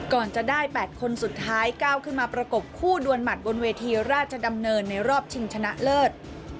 ก่อนจะได้๘คนสุดท้ายก้าวขึ้นมาประกบคู่ดวนหมัดบนเวทีราชดำเนินในรอบชิงชนะเลิศ